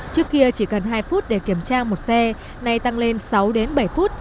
trước kia chỉ cần hai phút để kiểm tra một xe nay tăng lên sáu đến bảy phút